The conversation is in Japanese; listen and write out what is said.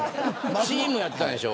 チームだったでしょ。